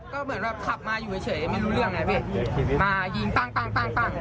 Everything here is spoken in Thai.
ก็เหมือนแบบขับมาอยู่เฉยไม่รู้เรื่องไงพี่มายิงปั้งปั้งปั้งปั้ง